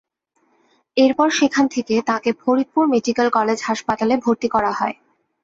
এরপর সেখান থেকে তাঁকে ফরিদপুর মেডিকেল কলেজ হাসপাতালে ভর্তি করা হয়।